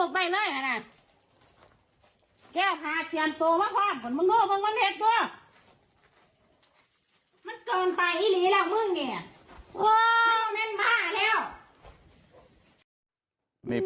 มันเกินไปขี้ลีร่างพลวงมื้งเวียวว้อมันมาแล้ว